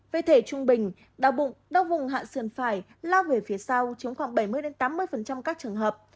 về thể trung bình đau bụng đau vùng hạ sườn phải lao về phía sau chiếm khoảng bảy mươi tám mươi các trường hợp